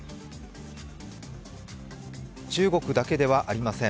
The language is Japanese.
中国だけではありません。